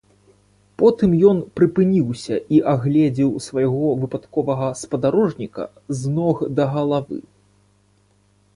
Потым ён прыпыніўся і агледзеў свайго выпадковага спадарожніка з ног да галавы.